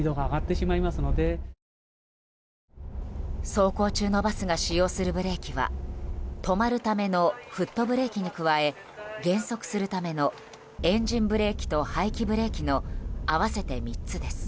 走行中のバスが使用するブレーキは止まるためのフットブレーキに加え減速するためのエンジンブレーキと排気ブレーキの合わせて３つです。